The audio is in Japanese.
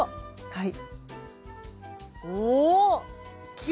はい。